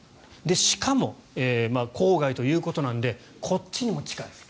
しかも、郊外ということなのでこっちにも近いです。